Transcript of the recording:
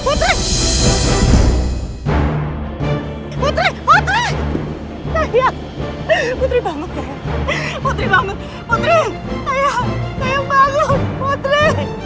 putri putri putri bangun sayang putri bangun putri sayang sayang bangun putri